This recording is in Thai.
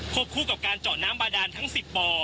คู่กับการเจาะน้ำบาดานทั้ง๑๐บ่อ